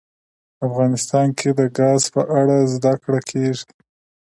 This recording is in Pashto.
افغانستان کې د ګاز په اړه زده کړه کېږي.